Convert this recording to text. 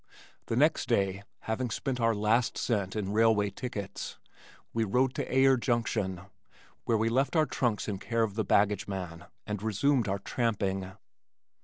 The next day, having spent our last cent in railway tickets, we rode to Ayer Junction, where we left our trunks in care of the baggage man and resumed our tramping.